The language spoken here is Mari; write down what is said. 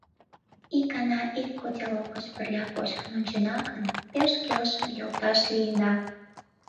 — Икана ик котелок гыч пырля кочкын ончена гын, пеш келшыме йолташ лийына.